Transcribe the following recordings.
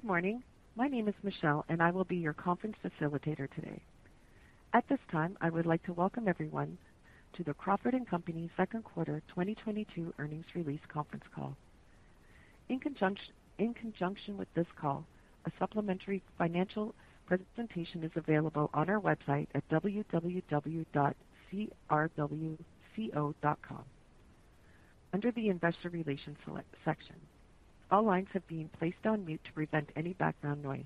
Good morning. My name is Michelle, and I will be your conference facilitator today. At this time, I would like to welcome everyone to the Crawford & Company second quarter 2022 earnings release conference call. In conjunction with this call, a supplementary financial presentation is available on our website at www.crawco.com under the investor relations section. All lines have been placed on mute to prevent any background noise.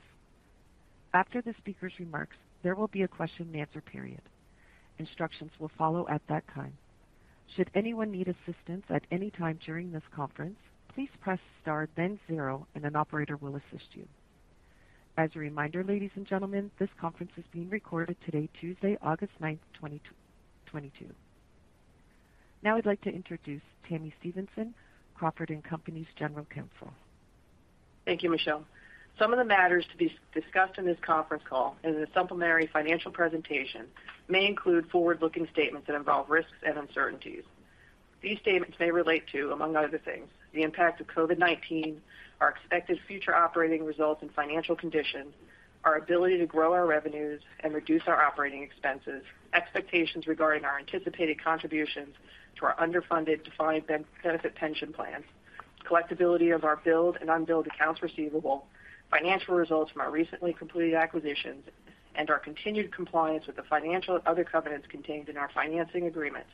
After the speaker's remarks, there will be a question and answer period. Instructions will follow at that time. Should anyone need assistance at any time during this conference, please press star then zero, and an operator will assist you. As a reminder, ladies and gentlemen, this conference is being recorded today, Tuesday, August 9, 2022. Now I'd like to introduce Tami Stevenson, Crawford & Company's General Counsel. Thank you, Michelle. Some of the matters to be discussed in this conference call and in the supplementary financial presentation may include forward-looking statements that involve risks and uncertainties. These statements may relate to, among other things, the impact of COVID-19, our expected future operating results and financial condition, our ability to grow our revenues and reduce our operating expenses, expectations regarding our anticipated contributions to our underfunded defined benefit pension plans, collectibility of our billed and unbilled accounts receivable, financial results from our recently completed acquisitions, and our continued compliance with the financial and other covenants contained in our financing agreements,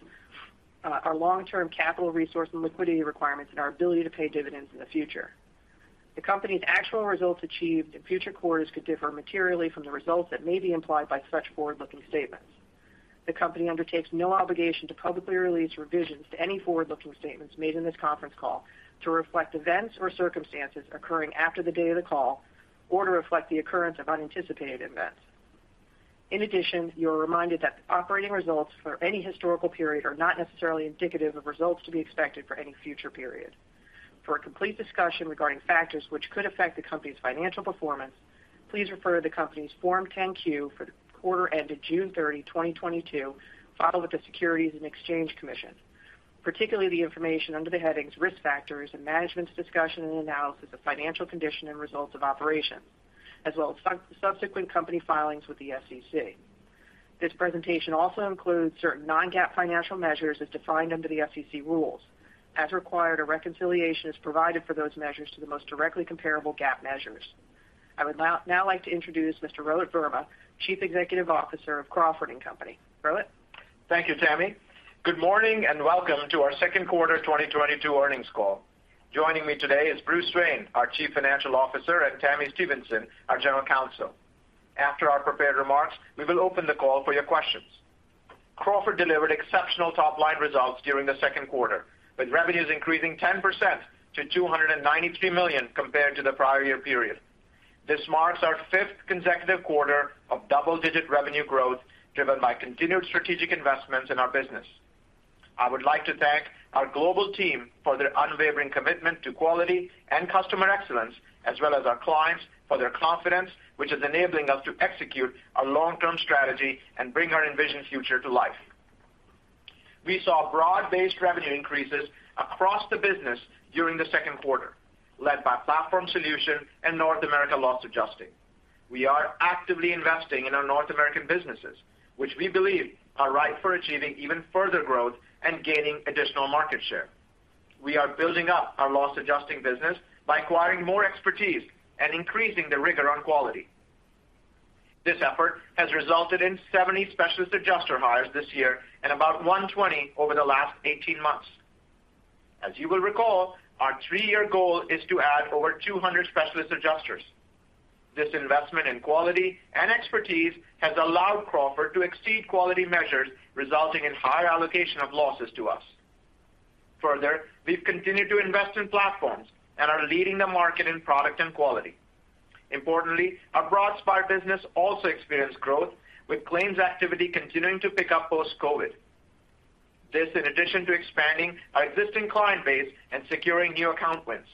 our long-term capital resource and liquidity requirements, and our ability to pay dividends in the future. The company's actual results achieved in future quarters could differ materially from the results that may be implied by such forward-looking statements. The company undertakes no obligation to publicly release revisions to any forward-looking statements made in this conference call to reflect events or circumstances occurring after the date of the call or to reflect the occurrence of unanticipated events. In addition, you are reminded that operating results for any historical period are not necessarily indicative of results to be expected for any future period. For a complete discussion regarding factors which could affect the company's financial performance, please refer to the company's Form 10-Q for the quarter ended June 30, 2022, filed with the Securities and Exchange Commission, particularly the information under the headings Risk Factors and Management's Discussion and Analysis of Financial Condition and Results of Operations, as well as subsequent company filings with the SEC. This presentation also includes certain non-GAAP financial measures as defined under the SEC rules. As required, a reconciliation is provided for those measures to the most directly comparable GAAP measures. I would now like to introduce Mr. Rohit Verma, Chief Executive Officer of Crawford & Company. Rohit. Thank you, Tami. Good morning, and welcome to our second quarter 2022 earnings call. Joining me today is Bruce Swain, our Chief Financial Officer, and Tami Stevenson, our General Counsel. After our prepared remarks, we will open the call for your questions. Crawford delivered exceptional top-line results during the second quarter, with revenues increasing 10% to $293 million compared to the prior year period. This marks our fifth consecutive quarter of double-digit revenue growth, driven by continued strategic investments in our business. I would like to thank our global team for their unwavering commitment to quality and customer excellence, as well as our clients for their confidence, which is enabling us to execute our long-term strategy and bring our envisioned future to life. We saw broad-based revenue increases across the business during the second quarter, led by platform solution and North America loss adjusting. We are actively investing in our North American businesses, which we believe are ripe for achieving even further growth and gaining additional market share. We are building up our loss adjusting business by acquiring more expertise and increasing the rigor on quality. This effort has resulted in 70 specialist adjuster hires this year and about 120 over the last 18 months. As you will recall, our three-year goal is to add over 200 specialist adjusters. This investment in quality and expertise has allowed Crawford to exceed quality measures, resulting in higher allocation of losses to us. Further, we've continued to invest in platforms and are leading the market in product and quality. Importantly, our Broadspire business also experienced growth, with claims activity continuing to pick up post-COVID. This in addition to expanding our existing client base and securing new account wins.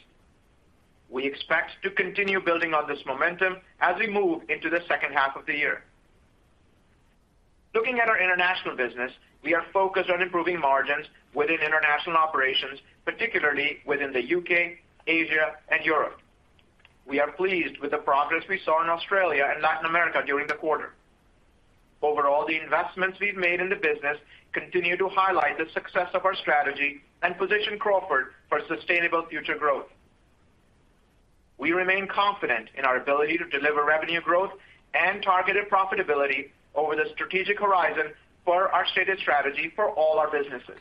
We expect to continue building on this momentum as we move into the second half of the year. Looking at our international business, we are focused on improving margins within international operations, particularly within the U.K., Asia, and Europe. We are pleased with the progress we saw in Australia and Latin America during the quarter. Overall, the investments we've made in the business continue to highlight the success of our strategy and position Crawford for sustainable future growth. We remain confident in our ability to deliver revenue growth and targeted profitability over the strategic horizon for our stated strategy for all our businesses.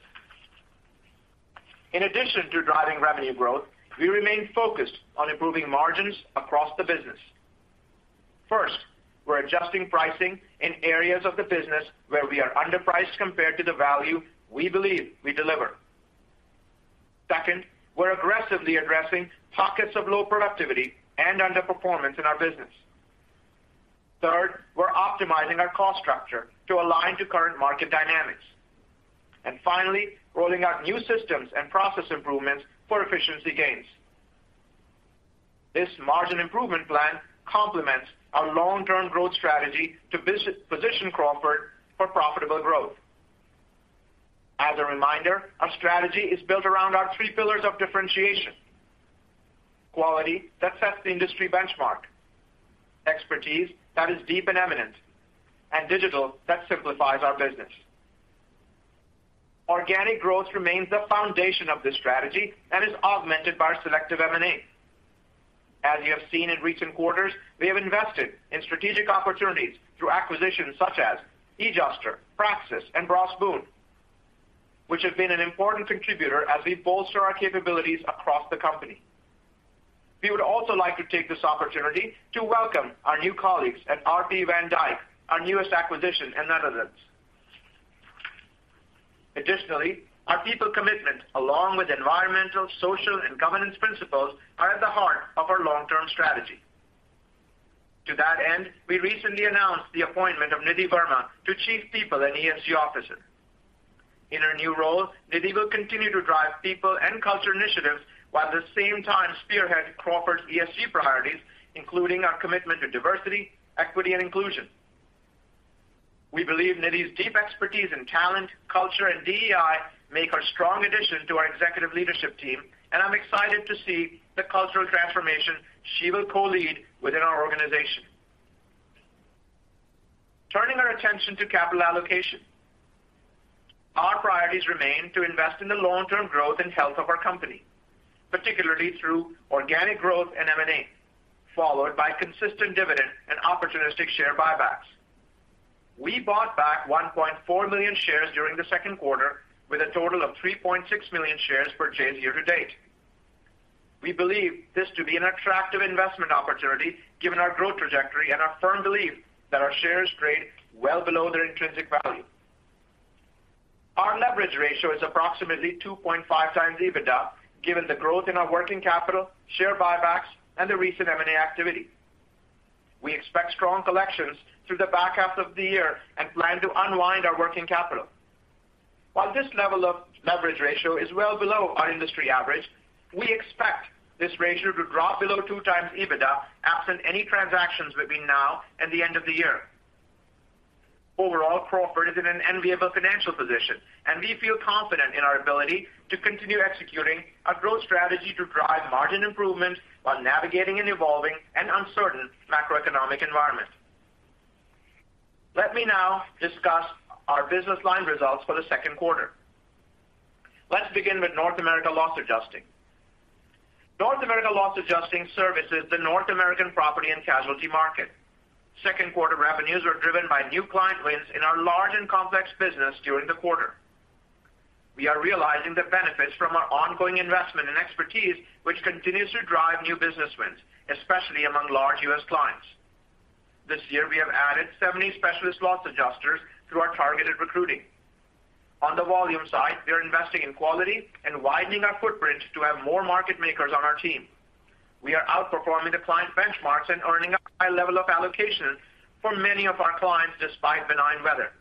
In addition to driving revenue growth, we remain focused on improving margins across the business. First, we're adjusting pricing in areas of the business where we are underpriced compared to the value we believe we deliver. Second, we're aggressively addressing pockets of low productivity and underperformance in our business. Third, we're optimizing our cost structure to align to current market dynamics. Finally, rolling out new systems and process improvements for efficiency gains. This margin improvement plan complements our long-term growth strategy to position Crawford for profitable growth. As a reminder, our strategy is built around our three pillars of differentiation. Quality that sets the industry benchmark, expertise that is deep and eminent, and digital that simplifies our business. Organic growth remains the foundation of this strategy and is augmented by our selective M&A. As you have seen in recent quarters, we have invested in strategic opportunities through acquisitions such as eAdjuster, Praxis, and BosBoone, which have been an important contributor as we bolster our capabilities across the company. We would also like to take this opportunity to welcome our new colleagues at R.P. van Dijk B.V., our newest acquisition in the Netherlands. Additionally, our people commitment, along with environmental, social, and governance principles, are at the heart of our long-term strategy. To that end, we recently announced the appointment of Nidhi Verma to Chief People and ESG Officer. In her new role, Nidhi will continue to drive people and culture initiatives while at the same time spearhead Crawford's ESG priorities, including our commitment to diversity, equity, and inclusion. We believe Nidhi's deep expertise in talent, culture, and DEI make her a strong addition to our executive leadership team, and I'm excited to see the cultural transformation she will co-lead within our organization. Turning our attention to capital allocation. Our priorities remain to invest in the long-term growth and health of our company, particularly through organic growth and M&A, followed by consistent dividend and opportunistic share buybacks. We bought back 1.4 million shares during the second quarter with a total of 3.6 million shares purchased year to date. We believe this to be an attractive investment opportunity given our growth trajectory and our firm belief that our shares trade well below their intrinsic value. Our leverage ratio is approximately 2.5 times EBITDA, given the growth in our working capital, share buybacks, and the recent M&A activity. We expect strong collections through the back half of the year and plan to unwind our working capital. While this level of leverage ratio is well below our industry average, we expect this ratio to drop below 2 times EBITDA absent any transactions between now and the end of the year. Overall, Crawford is in an enviable financial position, and we feel confident in our ability to continue executing our growth strategy to drive margin improvement while navigating an evolving and uncertain macroeconomic environment. Let me now discuss our business line results for the second quarter. Let's begin with North America loss adjusting. North America loss adjusting services, the North American property and casualty market. Second quarter revenues were driven by new client wins in our large and complex business during the quarter. We are realizing the benefits from our ongoing investment and expertise, which continues to drive new business wins, especially among large U.S. clients. This year, we have added 70 specialist loss adjusters through our targeted recruiting. On the volume side, we are investing in quality and widening our footprint to have more market makers on our team. We are outperforming the client benchmarks and earning a high level of allocation for many of our clients despite benign weather.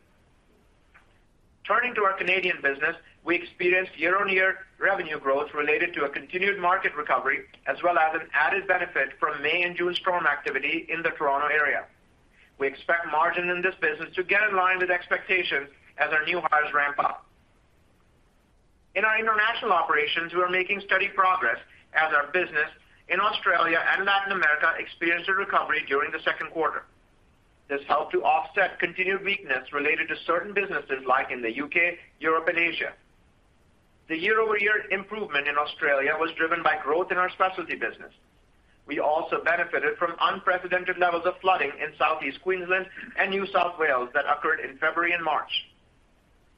Turning to our Canadian business, we experienced year-over-year revenue growth related to a continued market recovery, as well as an added benefit from May and June storm activity in the Toronto area. We expect margin in this business to get in line with expectations as our new hires ramp up. In our international operations, we are making steady progress as our business in Australia and Latin America experienced a recovery during the second quarter. This helped to offset continued weakness related to certain businesses like in the U.K., Europe, and Asia. The year-over-year improvement in Australia was driven by growth in our specialty business. We also benefited from unprecedented levels of flooding in Southeast Queensland and New South Wales that occurred in February and March.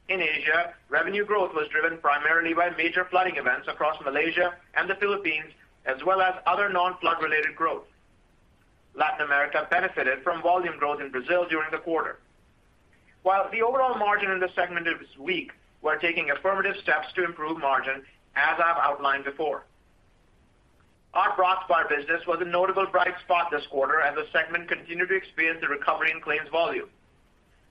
In Asia, revenue growth was driven primarily by major flooding events across Malaysia and the Philippines, as well as other non-flood-related growth. Latin America benefited from volume growth in Brazil during the quarter. While the overall margin in this segment is weak, we're taking affirmative steps to improve margin as I've outlined before. Our Broadspire business was a notable bright spot this quarter as the segment continued to experience a recovery in claims volume.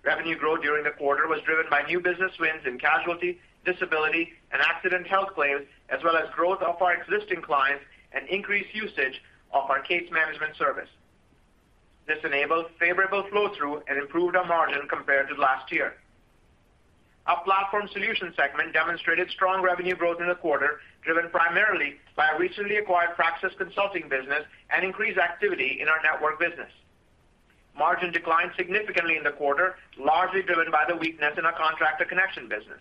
Revenue growth during the quarter was driven by new business wins in casualty, disability, and accident health claims, as well as growth of our existing clients and increased usage of our case management service. This enabled favorable flow through and improved our margin compared to last year. Our platform solution segment demonstrated strong revenue growth in the quarter, driven primarily by our recently acquired Praxis Consulting business and increased activity in our network business. Margin declined significantly in the quarter, largely driven by the weakness in our Contractor Connection business.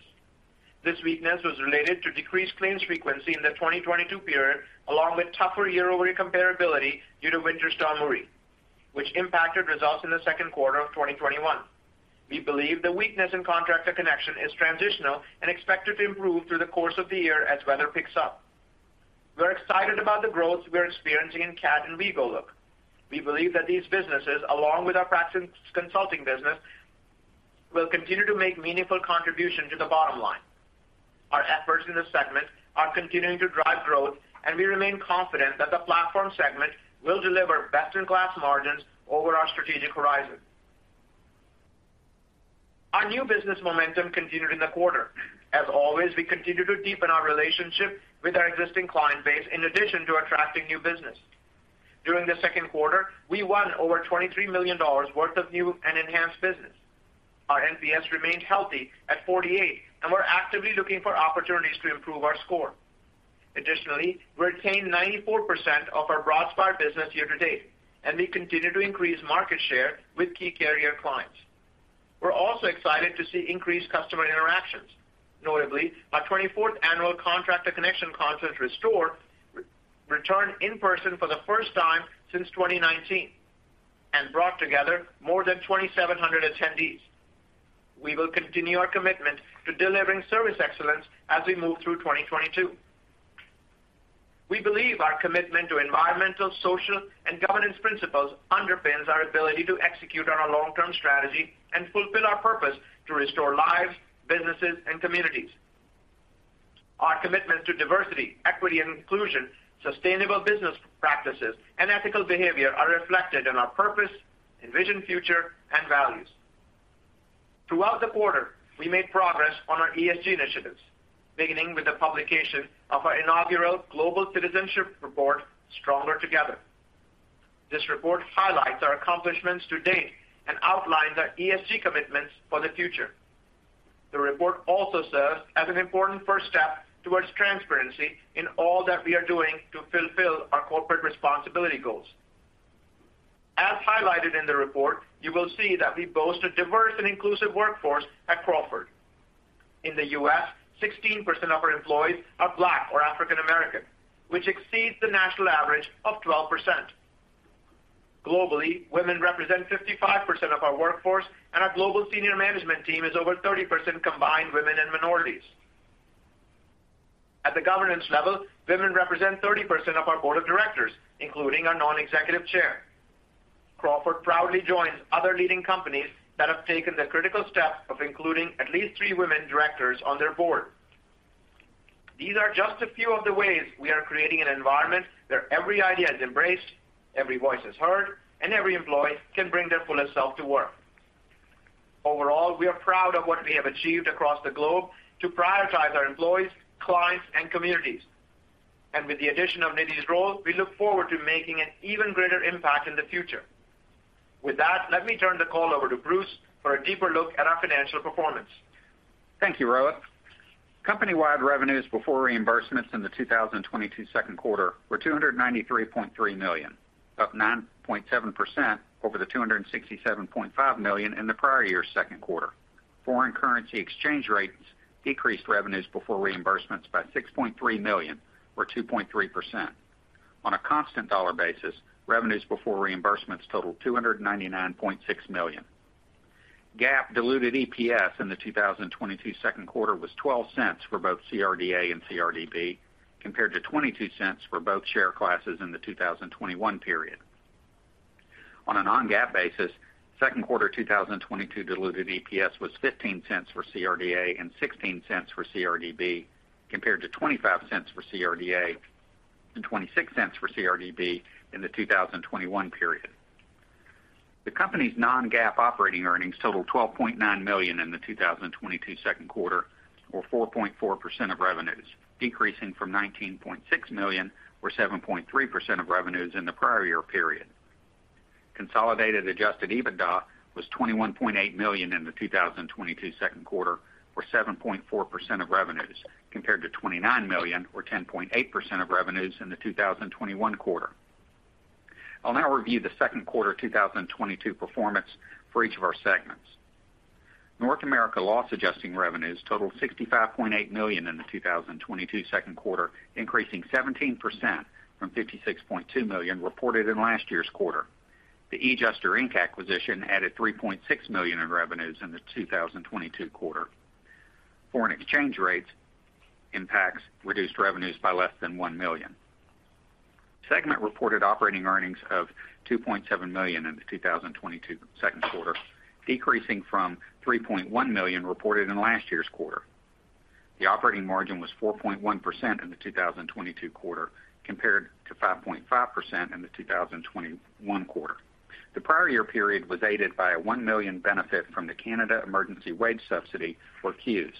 This weakness was related to decreased claims frequency in the 2022 period, along with tougher year-over-year comparability due to Winter Storm Uri, which impacted results in the second quarter of 2021. We believe the weakness in Contractor Connection is transitional and expected to improve through the course of the year as weather picks up. We're excited about the growth we are experiencing in CAT and WeGoLook. We believe that these businesses, along with our Praxis Consulting business, will continue to make meaningful contribution to the bottom line. Our efforts in this segment are continuing to drive growth, and we remain confident that the platform segment will deliver best-in-class margins over our strategic horizon. Our new business momentum continued in the quarter. As always, we continue to deepen our relationship with our existing client base in addition to attracting new business. During the second quarter, we won over $23 million worth of new and enhanced business. Our NPS remained healthy at 48, and we're actively looking for opportunities to improve our score. Additionally, we retained 94% of our Broadspire business year-to-date, and we continue to increase market share with key carrier clients. We're also excited to see increased customer interactions. Notably, our 24th annual Contractor Connection conference, RESTORE, returned in person for the first time since 2019, and brought together more than 2,700 attendees. We will continue our commitment to delivering service excellence as we move through 2022. We believe our commitment to environmental, social, and governance principles underpins our ability to execute on our long-term strategy and fulfill our purpose to restore lives, businesses, and communities. Our commitment to diversity, equity, and inclusion, sustainable business practices, and ethical behavior are reflected in our purpose, envisioned future, and values. Throughout the quarter, we made progress on our ESG initiatives, beginning with the publication of our inaugural global citizenship report, Stronger Together. This report highlights our accomplishments to date and outlines our ESG commitments for the future. The report also serves as an important first step towards transparency in all that we are doing to fulfill our corporate responsibility goals. As highlighted in the report, you will see that we boast a diverse and inclusive workforce at Crawford. In the U.S., 16% of our employees are Black or African American, which exceeds the national average of 12%. Globally, women represent 55% of our workforce, and our global senior management team is over 30% combined women and minorities. At the governance level, women represent 30% of our board of directors, including our non-executive chair. Crawford proudly joins other leading companies that have taken the critical step of including at least three women directors on their board. These are just a few of the ways we are creating an environment where every idea is embraced, every voice is heard, and every employee can bring their fullest self to work. Overall, we are proud of what we have achieved across the globe to prioritize our employees, clients, and communities. With the addition of Nidhi's role, we look forward to making an even greater impact in the future. With that, let me turn the call over to Bruce for a deeper look at our financial performance. Thank you, Rohit. Company-wide revenues before reimbursements in the 2022 second quarter were $293.3 million, up 9.7% over the $267.5 million in the prior year's second quarter. Foreign currency exchange rates decreased revenues before reimbursements by $6.3 million or 2.3%. On a constant dollar basis, revenues before reimbursements totaled $299.6 million. GAAP diluted EPS in the 2022 second quarter was $0.12 for both CRDA and CRDB, compared to $0.22 for both share classes in the 2021 period. On a non-GAAP basis, second quarter 2022 diluted EPS was $0.15 for CRDA and $0.16 for CRDB, compared to $0.25 for CRDA and $0.26 for CRDB in the 2021 period. The company's non-GAAP operating earnings totaled $12.9 million in the 2022 second quarter, or 4.4% of revenues, decreasing from $19.6 million or 7.3% of revenues in the prior year period. Consolidated adjusted EBITDA was $21.8 million in the 2022 second quarter or 7.4% of revenues, compared to $29 million or 10.8% of revenues in the 2021 quarter. I'll now review the second quarter 2022 performance for each of our segments. North America loss adjusting revenues totaled $65.8 million in the 2022 second quarter, increasing 17% from $56.2 million reported in last year's quarter. The eAdjuster Inc. acquisition added $3.6 million in revenues in the 2022 quarter. Foreign exchange rates impacts reduced revenues by less than $1 million. Segment reported operating earnings of $2.7 million in the 2022 second quarter, decreasing from $3.1 million reported in last year's quarter. The operating margin was 4.1% in the 2022 quarter compared to 5.5% in the 2021 quarter. The prior year period was aided by a $1 million benefit from the Canada Emergency Wage Subsidy or CEWS.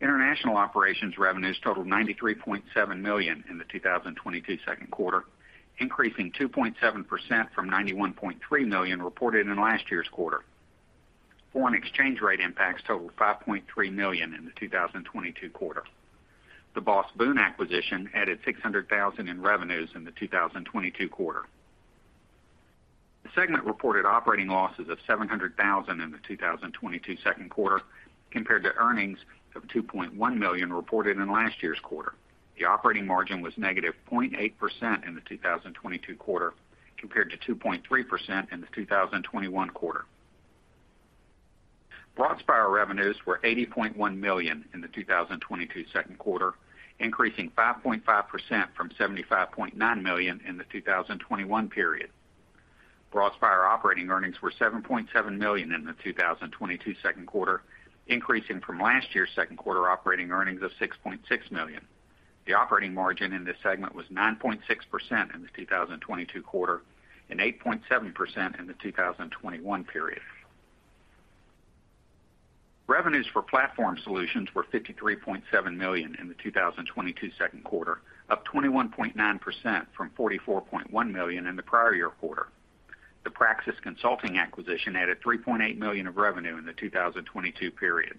International operations revenues totaled $93.7 million in the 2022 second quarter, increasing 2.7% from $91.3 million reported in last year's quarter. Foreign exchange rate impacts totaled $5.3 million in the 2022 quarter. The BosBoone acquisition added $600,000 in revenues in the 2022 quarter. The segment reported operating losses of $700,000 in the 2022 second quarter compared to earnings of $2.1 million reported in last year's quarter. The operating margin was -0.8% in the 2022 quarter compared to 2.3% in the 2021 quarter. Broadspire revenues were $80.1 million in the 2022 second quarter, increasing 5.5% from $75.9 million in the 2021 period. Broadspire operating earnings were $7.7 million in the 2022 second quarter, increasing from last year's second quarter operating earnings of $6.6 million. The operating margin in this segment was 9.6% in the 2022 quarter and 8.7% in the 2021 period. Revenues for platform solutions were $53.7 million in the 2022 second quarter, up 21.9% from $44.1 million in the prior year quarter. The Praxis Consulting acquisition added $3.8 million of revenue in the 2022 period.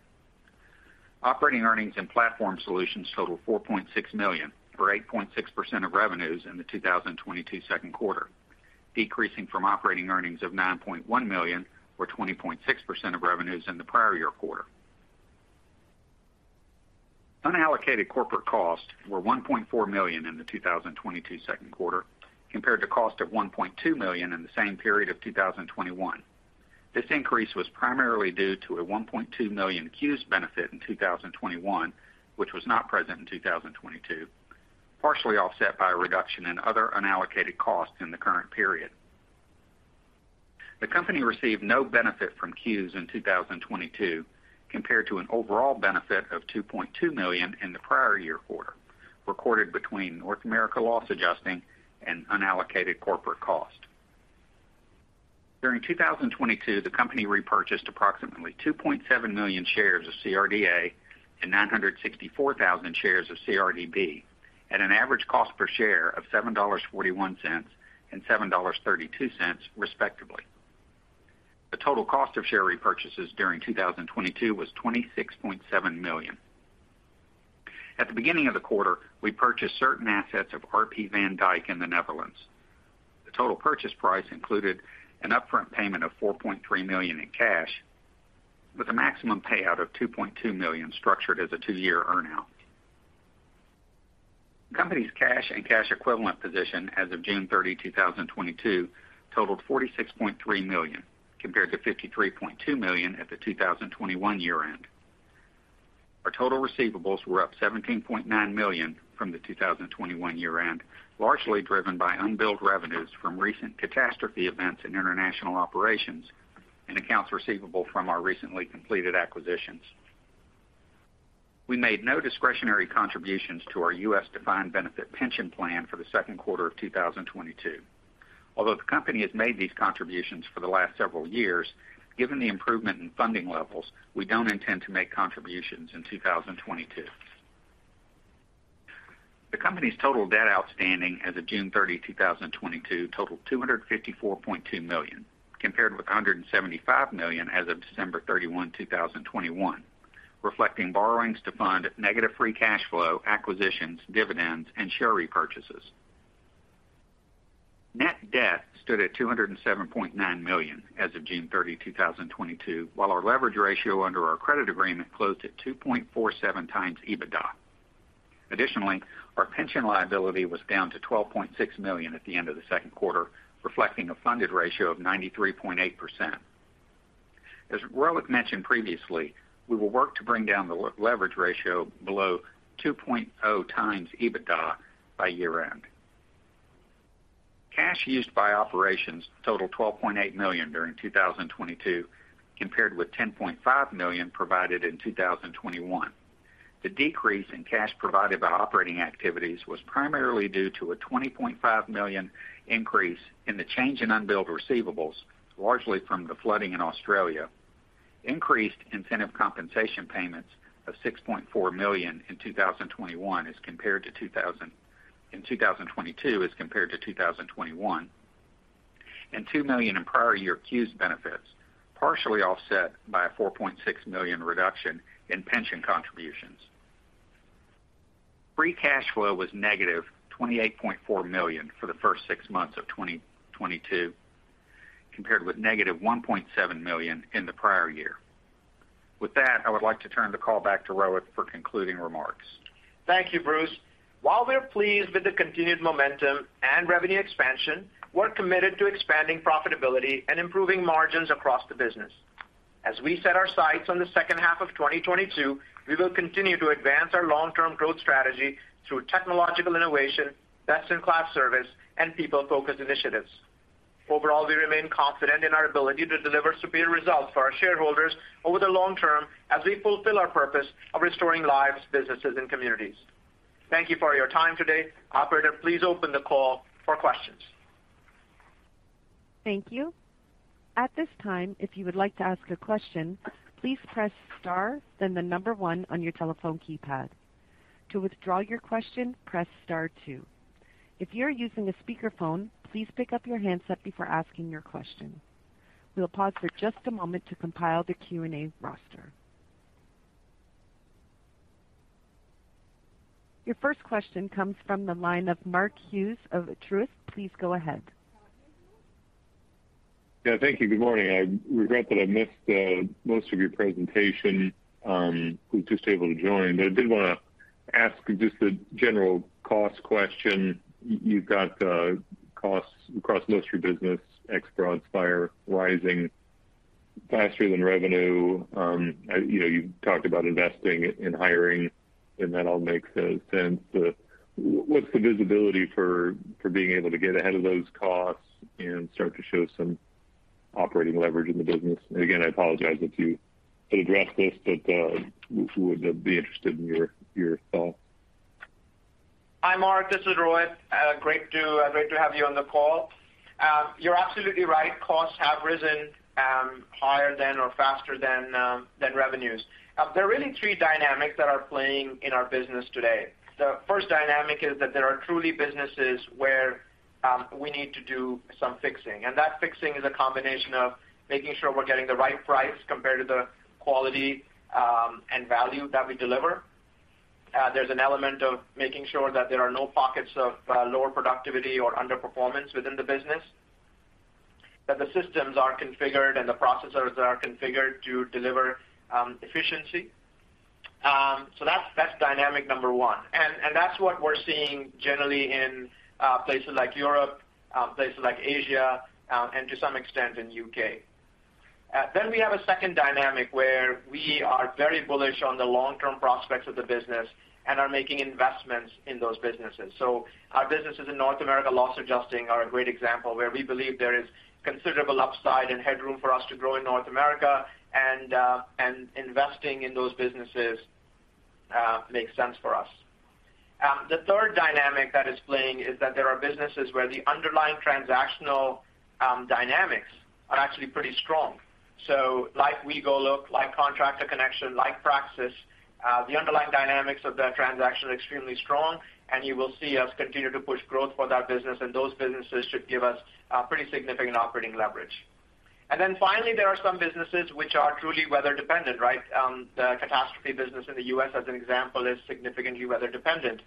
Operating earnings in platform solutions totaled $4.6 million or 8.6% of revenues in the 2022 second quarter, decreasing from operating earnings of $9.1 million or 20.6% of revenues in the prior year quarter. Unallocated corporate costs were $1.4 million in the 2022 second quarter compared to cost of $1.2 million in the same period of 2021. This increase was primarily due to a $1.2 million CEWS benefit in 2021, which was not present in 2022, partially offset by a reduction in other unallocated costs in the current period. The company received no benefit from CEWS in 2022 compared to an overall benefit of $2.2 million in the prior year quarter, recorded between North America loss adjusting and unallocated corporate cost. During 2022, the company repurchased approximately 2.7 million shares of CRDA and 964,000 shares of CRDB at an average cost per share of $7.41 and $7.32, respectively. The total cost of share repurchases during 2022 was $26.7 million. At the beginning of the quarter, we purchased certain assets of R.P. van Dijk in the Netherlands. The total purchase price included an upfront payment of $4.3 million in cash, with a maximum payout of $2.2 million structured as a two-year earn out. Company's cash and cash equivalent position as of June 30, 2022 totaled $46.3 million compared to $53.2 million at the 2021 year-end. Our total receivables were up $17.9 million from the 2021 year-end, largely driven by unbilled revenues from recent catastrophe events in international operations and accounts receivable from our recently completed acquisitions. We made no discretionary contributions to our U.S. defined benefit pension plan for the second quarter of 2022. Although the company has made these contributions for the last several years, given the improvement in funding levels, we don't intend to make contributions in 2022. The company's total debt outstanding as of June 30, 2022 totaled $254.2 million, compared with $175 million as of December 31, 2021, reflecting borrowings to fund negative free cash flow, acquisitions, dividends, and share repurchases. Net debt stood at $207.9 million as of June 30, 2022, while our leverage ratio under our credit agreement closed at 2.47x EBITDA. Additionally, our pension liability was down to $12.6 million at the end of the second quarter, reflecting a funded ratio of 93.8%. As Rohit mentioned previously, we will work to bring down the leverage ratio below 2.0x EBITDA by year-end. Cash used by operations totaled $12.8 million during 2022, compared with $10.5 million provided in 2021. The decrease in cash provided by operating activities was primarily due to a $20.5 million increase in the change in unbilled receivables, largely from the flooding in Australia. Increased incentive compensation payments of $6.4 million in 2022 as compared to 2021, and $2 million in prior year Q4's benefits, partially offset by a $4.6 million reduction in pension contributions. Free cash flow was negative $28.4 million for the first six months of 2022, compared with negative $1.7 million in the prior year. With that, I would like to turn the call back to Rohit for concluding remarks. Thank you, Bruce. While we are pleased with the continued momentum and revenue expansion, we're committed to expanding profitability and improving margins across the business. As we set our sights on the second half of 2022, we will continue to advance our long-term growth strategy through technological innovation, best-in-class service, and people-focused initiatives. Overall, we remain confident in our ability to deliver superior results for our shareholders over the long term as we fulfill our purpose of restoring lives, businesses, and communities. Thank you for your time today. Operator, please open the call for questions. Thank you. At this time, if you would like to ask a question, please press star, then the number one on your telephone keypad. To withdraw your question, press star two. If you are using a speakerphone, please pick up your handset before asking your question. We'll pause for just a moment to compile the Q&A roster. Your first question comes from the line of Mark Hughes of Truist. Please go ahead. Yeah, thank you. Good morning. I regret that I missed most of your presentation. Was just able to join. I did wanna ask just a general cost question. You've got costs across most of your business, ex Broadspire, rising faster than revenue. You know, you've talked about investing in hiring, and that all makes sense. But what's the visibility for being able to get ahead of those costs and start to show some operating leverage in the business? Again, I apologize if you had addressed this, but would be interested in your thoughts. Hi, Mark, this is Rohit. Great to have you on the call. You're absolutely right, costs have risen higher than or faster than revenues. There are really three dynamics that are playing in our business today. The first dynamic is that there are truly businesses where we need to do some fixing. That fixing is a combination of making sure we're getting the right price compared to the quality and value that we deliver. There's an element of making sure that there are no pockets of lower productivity or underperformance within the business. That the systems are configured and the processors are configured to deliver efficiency. So that's dynamic number one. That's what we're seeing generally in places like Europe, places like Asia, and to some extent in U.K. We have a second dynamic where we are very bullish on the long-term prospects of the business and are making investments in those businesses. Our businesses in North America loss adjusting are a great example where we believe there is considerable upside and headroom for us to grow in North America, and investing in those businesses makes sense for us. The third dynamic that is playing is that there are businesses where the underlying transactional dynamics are actually pretty strong. Like WeGoLook, like Contractor Connection, like Praxis, the underlying dynamics of the transaction are extremely strong, and you will see us continue to push growth for that business, and those businesses should give us pretty significant operating leverage. Finally, there are some businesses which are truly weather dependent, right? The catastrophe business in the U.S., as an example, is significantly weather dependent.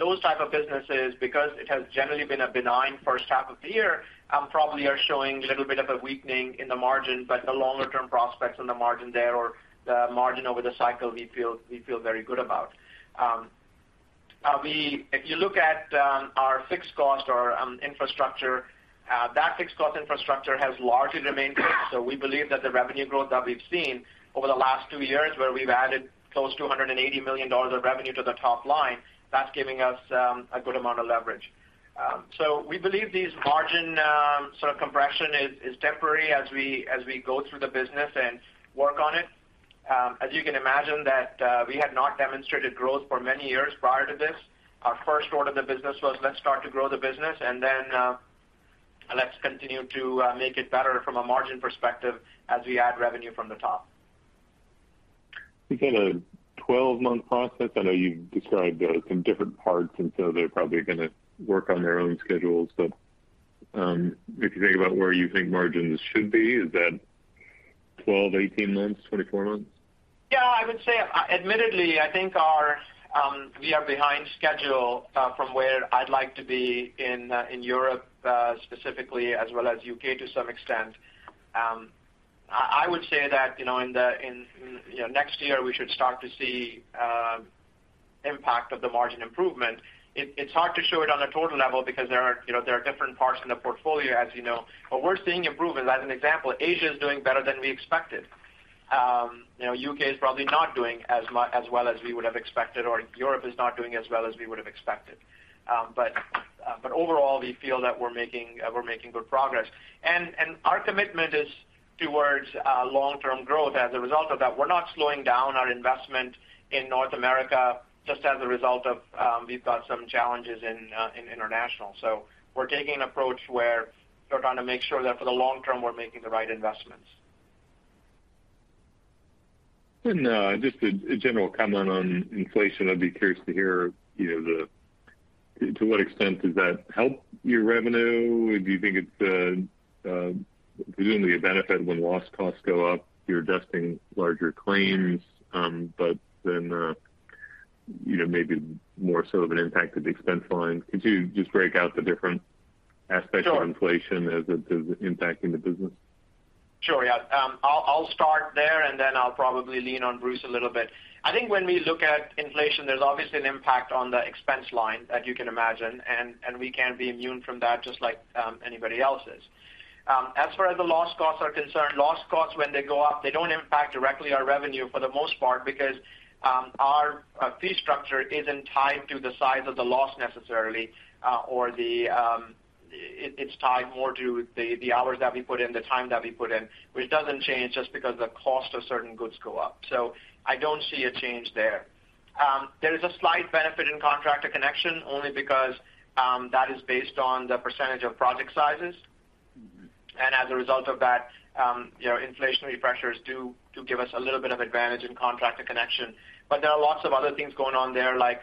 Those type of businesses, because it has generally been a benign first half of the year, probably are showing a little bit of a weakening in the margin, but the longer term prospects on the margin there or the margin over the cycle, we feel very good about. If you look at our fixed cost or infrastructure, that fixed cost infrastructure has largely remained the same. We believe that the revenue growth that we've seen over the last two years, where we've added close to $180 million of revenue to the top line, that's giving us a good amount of leverage. We believe these margin sort of compression is temporary as we go through the business and work on it. As you can imagine, we had not demonstrated growth for many years prior to this. Our first order of the business was, let's start to grow the business, and then, let's continue to make it better from a margin perspective as we add revenue from the top. Is it a 12-month process? I know you've described some different parts, and so they're probably gonna work on their own schedules. If you think about where you think margins should be, is that 12, 18 months, 24 months? Yeah, I would say, admittedly, I think we are behind schedule from where I'd like to be in Europe specifically, as well as U.K. to some extent. I would say that, you know, in the next year, we should start to see impact of the margin improvement. It's hard to show it on a total level because there are, you know, different parts in the portfolio, as you know. We're seeing improvement. As an example, Asia is doing better than we expected. U.K. is probably not doing as well as we would have expected or Europe is not doing as well as we would have expected. Overall, we feel that we're making good progress. Our commitment is towards long-term growth. As a result of that, we're not slowing down our investment in North America just as a result of, we've got some challenges in international. We're taking an approach where we're trying to make sure that for the long term, we're making the right investments. Just a general comment on inflation. I'd be curious to hear, you know, to what extent does that help your revenue? Do you think it's presumably a benefit when loss costs go up, you're adjusting larger claims, but then, you know, maybe more so of an impact to the expense line. Could you just break out the different aspects? Sure. of inflation as it is impacting the business? Sure, yeah. I'll start there, and then I'll probably lean on Bruce a little bit. I think when we look at inflation, there's obviously an impact on the expense line, as you can imagine, and we can't be immune from that just like anybody else is. As far as the loss costs are concerned, loss costs, when they go up, they don't impact directly our revenue for the most part because our fee structure isn't tied to the size of the loss necessarily. It's tied more to the hours that we put in, the time that we put in, which doesn't change just because the cost of certain goods go up. So I don't see a change there. There is a slight benefit in Contractor Connection only because that is based on the percentage of project sizes. Mm-hmm. As a result of that, you know, inflationary pressures do give us a little bit of advantage in Contractor Connection. But there are lots of other things going on there like,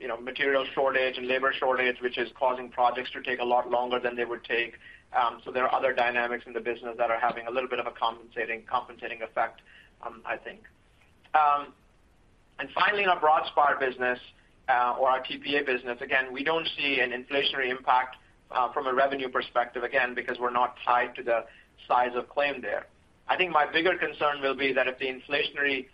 you know, material shortage and labor shortage, which is causing projects to take a lot longer than they would take. So there are other dynamics in the business that are having a little bit of a compensating effect, I think. Finally, in our Broadspire business, or our TPA business, again, we don't see an inflationary impact, from a revenue perspective, again, because we're not tied to the size of claim there. I think my bigger concern will be that if the inflationary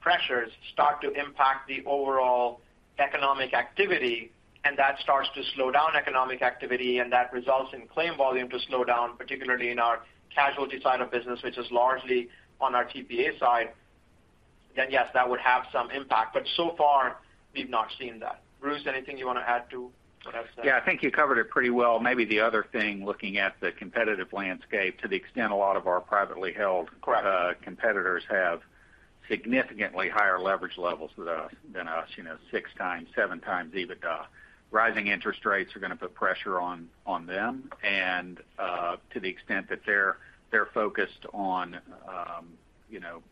pressures start to impact the overall economic activity, and that starts to slow down economic activity and that results in claim volume to slow down, particularly in our casualty side of business, which is largely on our TPA side, then yes, that would have some impact. But so far we've not seen that. Bruce, anything you want to add to what I've said? Yeah, I think you covered it pretty well. Maybe the other thing, looking at the competitive landscape, to the extent a lot of our privately held. Correct Competitors have significantly higher leverage levels than us, you know, 6x, 7x EBITDA. Rising interest rates are going to put pressure on them. To the extent that they're focused on, you know,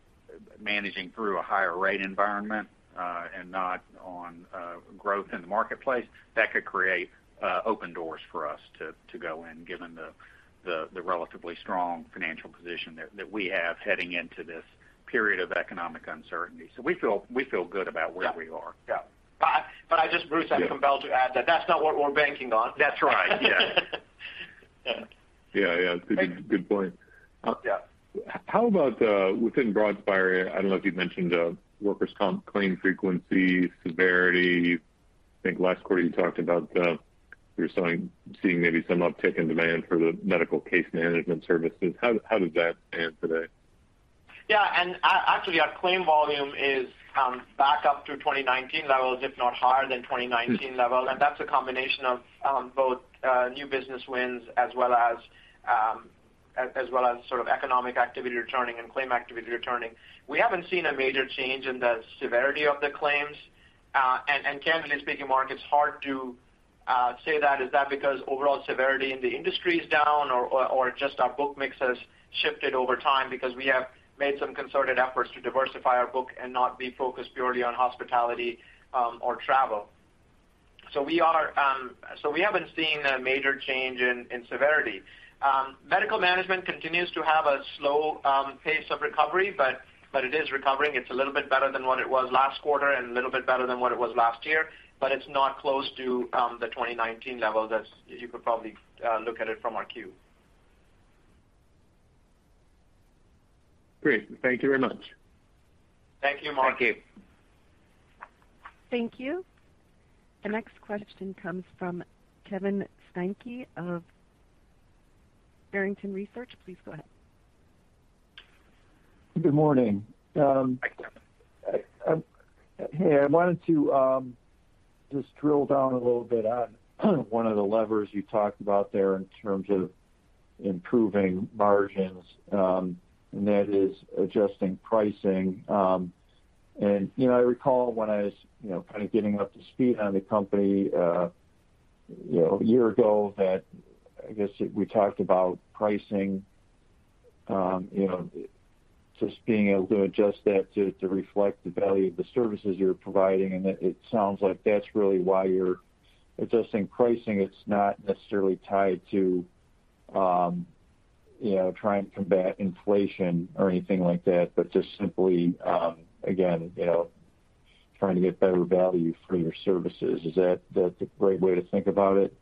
managing through a higher rate environment, and not on growth in the marketplace, that could create open doors for us to go in, given the relatively strong financial position that we have heading into this period of economic uncertainty. We feel good about where we are. Yeah. I just, Bruce. Yeah I'm compelled to add that that's not what we're banking on. That's right. Yes. Yeah. Yeah. Good point. Yeah. How about within Broadspire, I don't know if you've mentioned workers' comp claim frequency, severity. I think last quarter you talked about you're seeing maybe some uptick in demand for the medical case management services. How does that stand today? Yeah. Actually, our claim volume is back up to 2019 levels, if not higher than 2019 levels. That's a combination of both new business wins as well as sort of economic activity returning and claim activity returning. We haven't seen a major change in the severity of the claims. Candidly speaking, Mark, it's hard to say that. Is that because overall severity in the industry is down or just our book mix has shifted over time because we have made some concerted efforts to diversify our book and not be focused purely on hospitality or travel? We haven't seen a major change in severity. Medical management continues to have a slow pace of recovery, but it is recovering. It's a little bit better than what it was last quarter and a little bit better than what it was last year, but it's not close to the 2019 level that you could probably look at it from our 10-Q. Great. Thank you very much. Thank you, Mark. Thank you. Thank you. The next question comes from Kevin Steinke of Barrington Research. Please go ahead. Good morning. Hey, I wanted to just drill down a little bit on one of the levers you talked about there in terms of improving margins, and that is adjusting pricing. You know, I recall when I was, you know, kind of getting up to speed on the company, a year ago that, I guess, we talked about pricing, you know, just being able to adjust that to reflect the value of the services you're providing. It sounds like that's really why you're adjusting pricing. It's not necessarily tied to, you know, trying to combat inflation or anything like that, but just simply, again, you know, trying to get better value for your services. Is that the right way to think about it?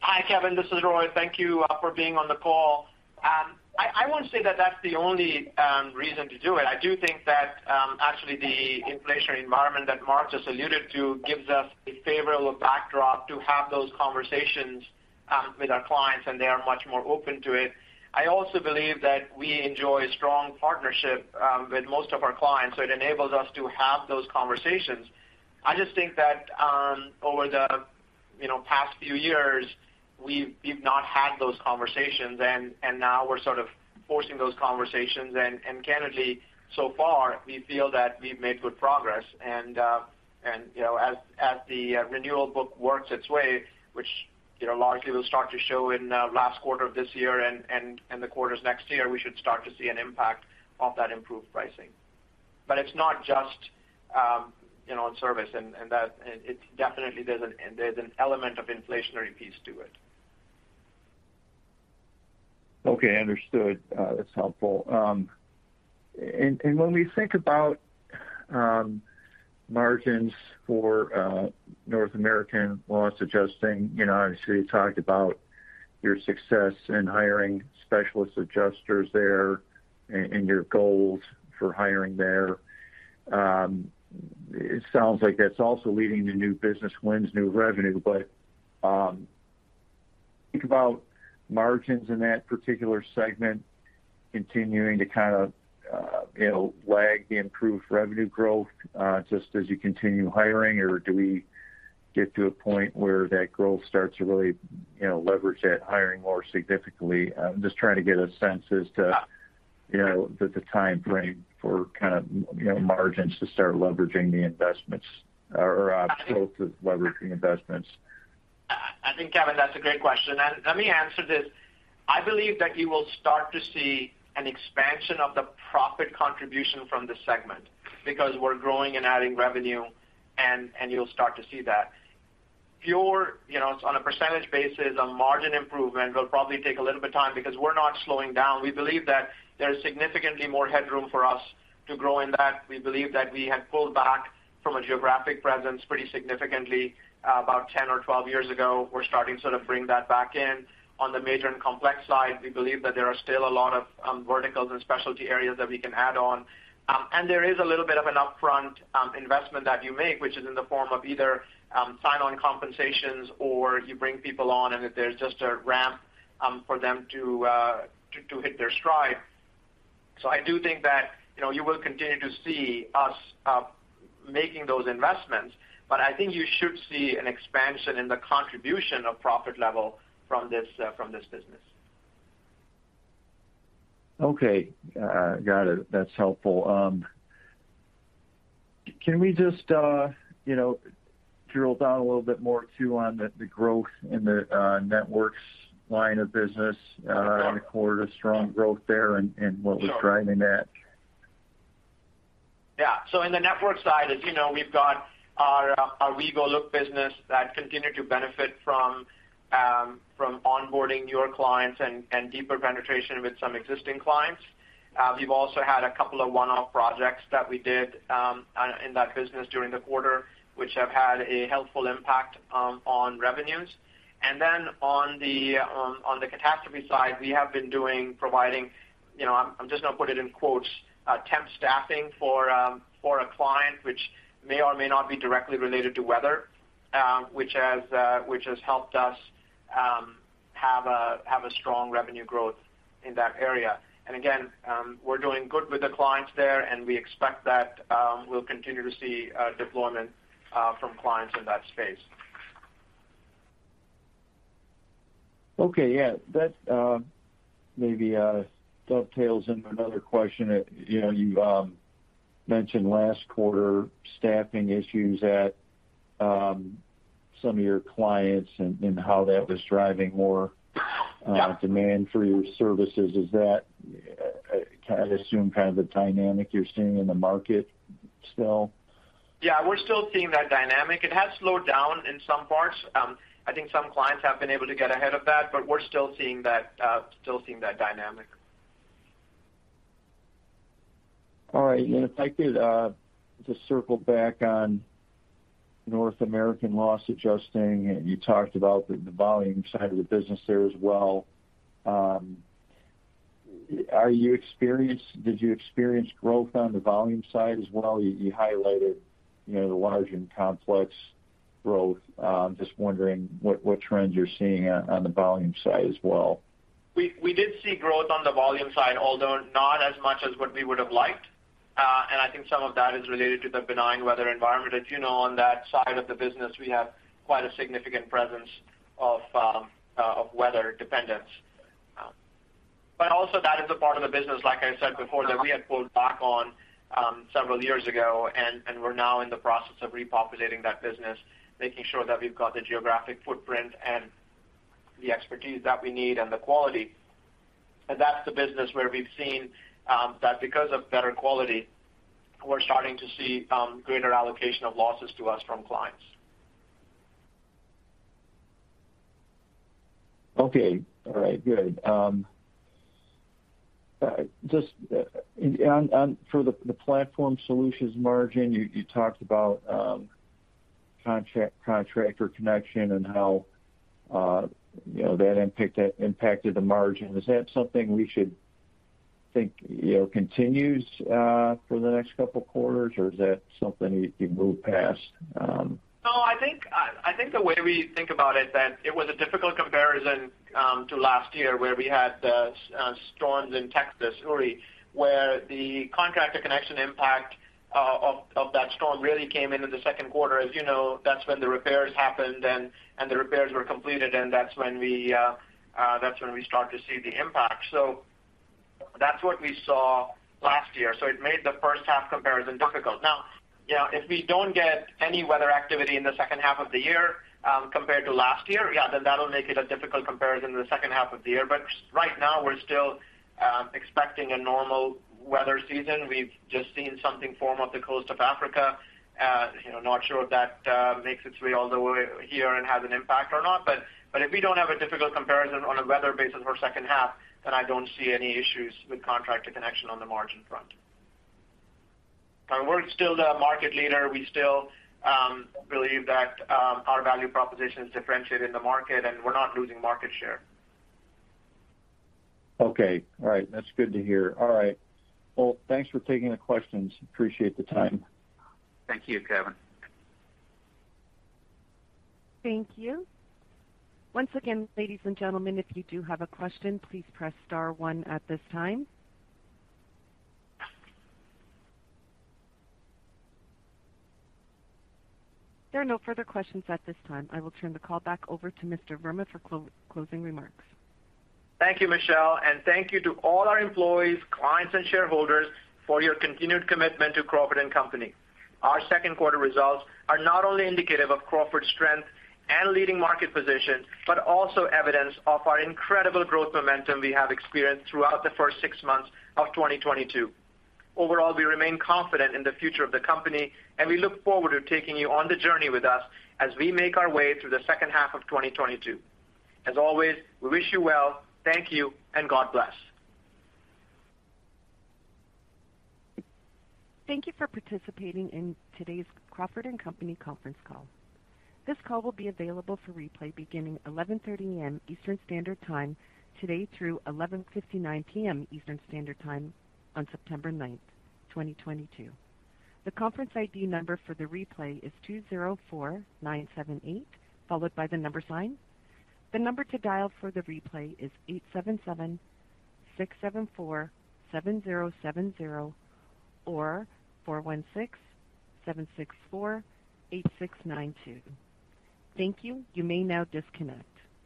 Hi, Kevin. This is Rohit. Thank you for being on the call. I won't say that that's the only reason to do it. I do think that, actually the inflationary environment that Mark just alluded to gives us a favorable backdrop to have those conversations, with our clients, and they are much more open to it. I also believe that we enjoy a strong partnership, with most of our clients, so it enables us to have those conversations. I just think that, over the, you know, past few years, we've not had those conversations, and now we're sort of forcing those conversations. Candidly, so far, we feel that we've made good progress. You know, as the renewal book works its way, which, you know, largely will start to show in last quarter of this year and the quarters next year, we should start to see an impact of that improved pricing. It's not just, you know, in service and that. It's definitely there's an element of inflationary piece to it. Okay, understood. That's helpful. When we think about margins for North American loss adjusting, you know, obviously, you talked about your success in hiring specialist adjusters there and your goals for hiring there. It sounds like that's also leading to new business wins, new revenue. Think about margins in that particular segment continuing to kind of, you know, lag the improved revenue growth, just as you continue hiring, or do we get to a point where that growth starts to really, you know, leverage that hiring more significantly? I'm just trying to get a sense as to, you know, the time frame for kind of, you know, margins to start leveraging the investments or growth of leveraging investments. I think, Kevin, that's a great question, and let me answer this. I believe that you will start to see an expansion of the profit contribution from this segment because we're growing and adding revenue, and you'll start to see that. Pure, you know, on a percentage basis, a margin improvement will probably take a little bit of time because we're not slowing down. We believe that there's significantly more headroom for us to grow in that. We believe that we had pulled back from a geographic presence pretty significantly about 10 or 12 years ago. We're starting to sort of bring that back in. On the major and complex side, we believe that there are still a lot of verticals and specialty areas that we can add on. There is a little bit of an upfront investment that you make, which is in the form of either sign-on compensations, or you bring people on, and there's just a ramp for them to hit their stride. I do think that, you know, you will continue to see us making those investments, but I think you should see an expansion in the contribution of profit level from this business. Okay. Got it. That's helpful. Can we just, you know, drill down a little bit more too on the growth in the networks line of business, recorded a strong growth there and what was driving that? Yeah. In the network side, as you know, we've got our WeGoLook business that continued to benefit from onboarding your clients and deeper penetration with some existing clients. We've also had a couple of one-off projects that we did in that business during the quarter, which have had a helpful impact on revenues. On the catastrophe side, we have been providing, you know, I'm just gonna put it in quotes, "temp staffing" for a client which may or may not be directly related to weather, which has helped us have a strong revenue growth in that area. We're doing good with the clients there, and we expect that we'll continue to see deployment from clients in that space. Okay. Yeah. That maybe dovetails into another question. You know, you mentioned last quarter staffing issues at some of your clients and how that was driving more demand for your services. Is that I assume kind of the dynamic you're seeing in the market still? Yeah, we're still seeing that dynamic. It has slowed down in some parts. I think some clients have been able to get ahead of that, but we're still seeing that dynamic. All right. If I could just circle back on North American loss adjusting, you talked about the volume side of the business there as well. Did you experience growth on the volume side as well? You highlighted, you know, the large and complex growth. I'm just wondering what trends you're seeing on the volume side as well. We did see growth on the volume side, although not as much as what we would have liked. I think some of that is related to the benign weather environment. As you know, on that side of the business, we have quite a significant presence of weather dependence. Also that is a part of the business, like I said before, that we had pulled back on several years ago, and we're now in the process of repopulating that business, making sure that we've got the geographic footprint and the expertise that we need and the quality. That's the business where we've seen that because of better quality, we're starting to see greater allocation of losses to us from clients. For the platform solutions margin, you talked about Contractor Connection and how, you know, that impacted the margin. Is that something we should think, you know, continues for the next couple quarters, or is that something we've moved past? No, I think the way we think about it that it was a difficult comparison to last year where we had the storms in Texas, Uri, where the Contractor Connection impact of that storm really came into the second quarter. As you know, that's when the repairs happened and the repairs were completed, and that's when we start to see the impact. That's what we saw last year. It made the first half comparison difficult. Now, you know, if we don't get any weather activity in the second half of the year, compared to last year, yeah, then that'll make it a difficult comparison to the second half of the year. Right now, we're still expecting a normal weather season. We've just seen something form off the coast of Africa. You know, not sure if that makes its way all the way here and has an impact or not. If we don't have a difficult comparison on a weather basis for second half, then I don't see any issues with Contractor Connection on the margin front. We're still the market leader. We still believe that our value proposition is differentiated in the market, and we're not losing market share. Okay. All right. That's good to hear. All right. Well, thanks for taking the questions. Appreciate the time. Thank you, Kevin. Thank you. Once again, ladies and gentlemen, if you do have a question, please press star one at this time. There are no further questions at this time. I will turn the call back over to Mr. Verma for closing remarks. Thank you, Michelle, and thank you to all our employees, clients, and shareholders for your continued commitment to Crawford & Company. Our second quarter results are not only indicative of Crawford's strength and leading market position, but also evidence of our incredible growth momentum we have experienced throughout the first six months of 2022. Overall, we remain confident in the future of the company, and we look forward to taking you on the journey with us as we make our way through the second half of 2022. As always, we wish you well. Thank you, and God bless. Thank you for participating in today's Crawford & Company conference call. This call will be available for replay beginning 11:30 A.M. Eastern Standard Time today through 11:59 P.M. Eastern Standard Time on September 9th, 2022. The conference ID number for the replay is 204978, followed by the number sign. The number to dial for the replay is 877-674-7070 or 416-764-8692. Thank you. You may now disconnect.